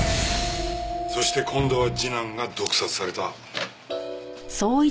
そして今度は次男が毒殺された。